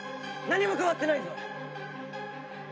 何も変わってないぞ！